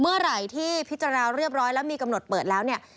เมื่อไหร่ที่พิจารณาเรียบร้อยแล้วมีกำหนดเปิดแล้วเนี่ย